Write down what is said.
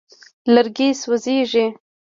لرګي سوځېږي.